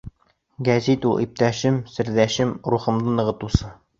Гәзит — ул иптәшем, серҙәшем, рухымды нығытыусы.